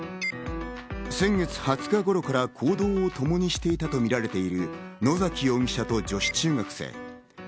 先月２０日頃から行動を共にしていたとみられている野崎容疑者と女子中学生。